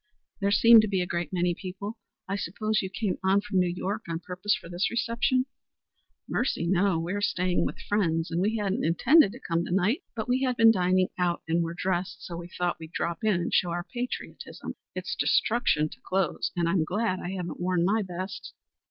"There seem to be a great many people. I suppose you came on from New York on purpose for this reception?" "Mercy, no. We are staying with friends, and we hadn't intended to come to night. But we had been dining out and were dressed, so we thought we'd drop in and show our patriotism. It's destruction to clothes, and I'm glad I haven't worn my best."